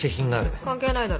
関係ないだろ。